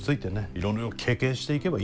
いろいろ経験していけばいいんだよ。